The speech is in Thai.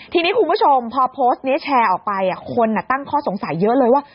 ทีนี้คุณผู้ชมพอโพสต์นี้แชร์ออกไปคนตั้งข้อสงสัยเยอะเลยว่า